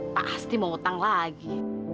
pasti mau hutang lagi